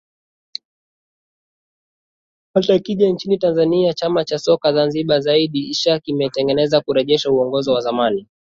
hatakija nchini tanzania chama cha soka zanzibar said issa kimetangaza kurejesha uongozi wa zamani